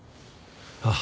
ああ。